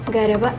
gak ada pak